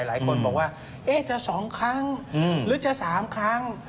หลายคนบอกว่าจะ๒ครั้งหรือจะ๓ครั้ง